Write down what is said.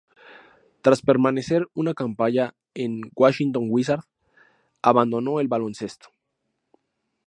Tras permanecer una campaña en Washington Wizards, abandonó el baloncesto.